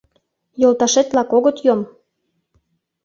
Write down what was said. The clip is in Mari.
Йолташет-влак огыт йом!